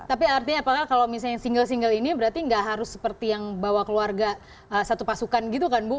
tapi artinya apakah kalau misalnya single single ini berarti nggak harus seperti yang bawa keluarga satu pasukan gitu kan bu